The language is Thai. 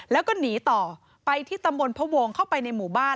แล้วก็หนีต่อไปที่ตำบลพวงเข้าไปในหมู่บ้าน